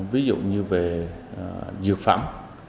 ví dụ như về dược phẩm